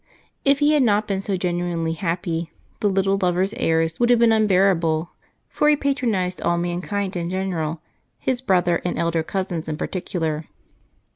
If he had not been so genuinely happy, the little lover's airs would have been unbearable, for he patronized all mankind in general, his brother and elder cousins in particular.